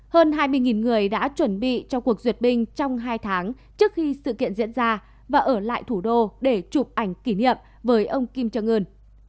hơn hai mươi người đã chuẩn bị cho cuộc duyệt binh trong hai tháng trước khi sự kiện diễn ra và ở lại thủ đô để chụp ảnh kỷ niệm với ông kim jong un